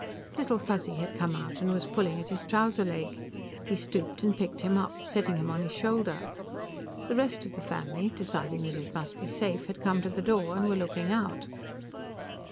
Little Fuzzy had come out and was pulling at his trouser leg; he stooped and picked him up, setting him on his shoulder. The rest of the family, deciding that it must be safe, had come to the door and were looking out.